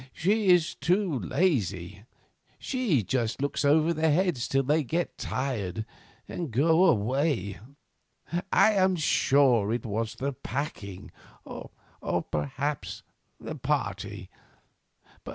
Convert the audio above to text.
She is too lazy; she just looks over their heads till they get tired and go away. I am sure it was the packing, or, perhaps, the party.